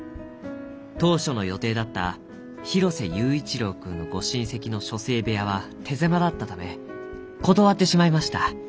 当初の予定だった広瀬佑一郎君のご親戚の書生部屋は手狭だったため断ってしまいました」。